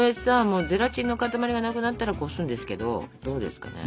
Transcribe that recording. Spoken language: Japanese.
ゼラチンの塊がなくなったらこすんですけどどうですかね？